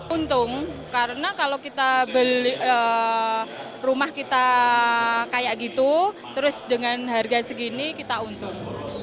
untung karena kalau kita beli rumah kita kayak gitu terus dengan harga segini kita untung